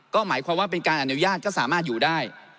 ก็หมายความว่าเป็นการอนุญาตก็สามารถอยู่ได้